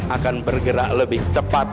akan bergerak lebih cepat